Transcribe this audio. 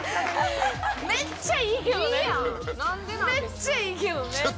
めっちゃいいけどね！